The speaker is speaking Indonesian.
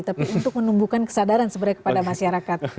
tapi untuk menumbuhkan kesadaran sebenarnya kepada masyarakat